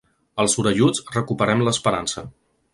Els orelluts recuperem l’esperança.